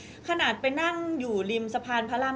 มิวยังมีเจ้าหน้าที่ตำรวจอีกหลายคนที่พร้อมจะให้ความยุติธรรมกับมิว